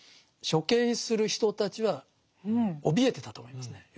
処刑する人たちはおびえてたと思いますね。